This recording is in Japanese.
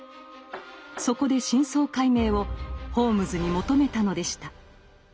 そこで真相解明をホームズに求めたのでした。